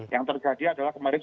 yang terjadi adalah kemarin